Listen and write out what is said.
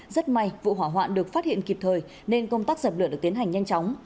rất may vụ hỏa hoạn được phát hiện kịp thời nên công tác dập lửa được tiến hành nhanh chóng